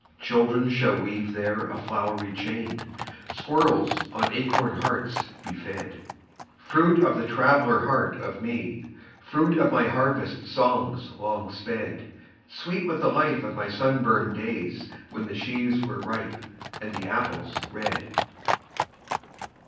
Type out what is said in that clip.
Children shall weave there a flowery chain, Squirrels on acorn hearts be fed:— Fruit of the traveller heart of me, Fruit of my harvest songs long sped: Sweet with the life of my sunburned days When the sheaves were ripe, and the apples red.